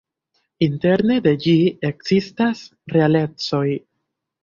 Interne de ĝi ekzistas realecoj.